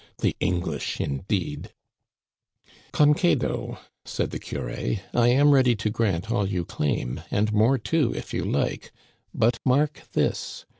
The English, indeed !"" Concedo said the curé ;" I am ready to grant all you claim, and more too if you like. But mark this.